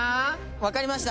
わかりました！